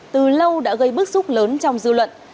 từ lâu đã gây bức xúc lớn trong dư luận